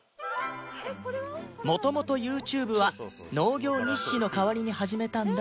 元々 ＹｏｕＴｕｂｅ は農業日誌の代わりに始めたんだそうです